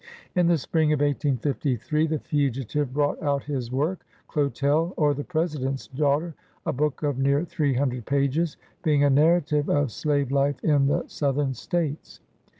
In the spring of 1853, the fugitive brought out his work, " Clotel, or the President's Daughter,'* — a book of near three hundred pages, being a narrative of slave life in the Southern States.